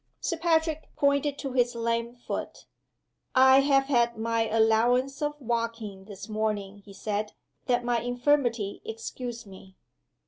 Sir Patrick pointed to his lame foot. "I have had my allowance of walking this morning," he said. "Let my infirmity excuse me."